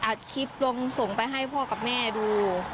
อัดคลิปลงส่งไปให้พ่อกับแม่ดู